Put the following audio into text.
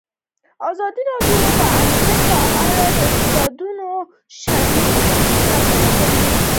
ازادي راډیو د امنیت په اړه د استادانو شننې خپرې کړي.